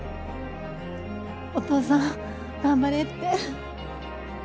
お父さん頑張れって。